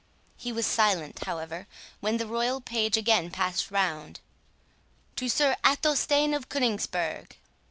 He was silent, however, when the royal pledge again passed round, "To Sir Athelstane of Coningsburgh."